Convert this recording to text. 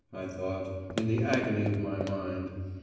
I thought, in the agony of my mind.